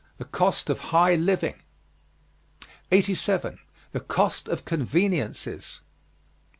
THE COST OF HIGH LIVING. 87. THE COST OF CONVENIENCES.